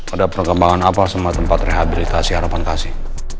ada perkembangan apa sama tempat rehabilitasi harapan kasih